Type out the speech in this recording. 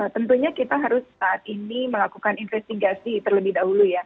tentunya kita harus saat ini melakukan investigasi terlebih dahulu ya